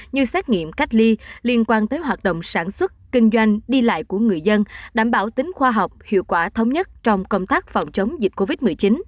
như xét nghiệm cách ly liên quan tới hoạt động sản xuất kinh doanh đi lại của người dân đảm bảo tính khoa học hiệu quả thống nhất trong công tác phòng chống dịch covid một mươi chín